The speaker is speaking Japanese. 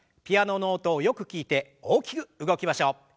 ピアノの音をよく聞いて大きく動きましょう。